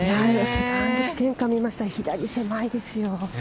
セカンド地点から見ましたら左狭いですよ。